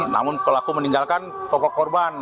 namun pelaku meninggalkan toko korban